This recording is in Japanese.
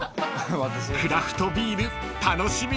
［クラフトビール楽しみです］